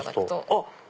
あっ！